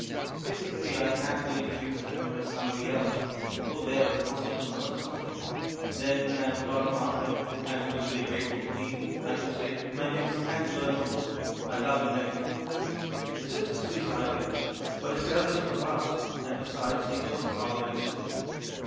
"It's a pity I can't be introduced to him as somebody else — go there as a hospital nurse or something. Then when I'd got round him, and he was very grateful to me, I could say, 'my name is Angela Noble — I love your nephew!' " "It is a sweet idea. But his health is robust, and, besides, he goes abroad very soon."